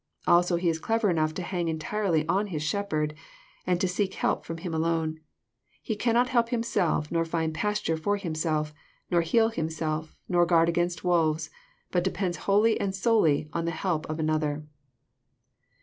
Also he is clever enough to hang entirely on his shepherd, and to seek help from him alone. He cannot help himself, nor find pasture for himself, nor heal himself, nor guard against wolves, but depends whoUy and solely on the help of another."